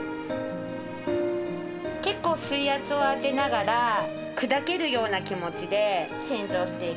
結構水圧を当てながら砕けるような気持ちで洗浄していきます。